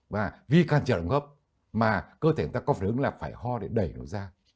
và vì cản trở đường hốp mà cơ thể chúng ta có phản ứng là phải ho để đẩy nó ra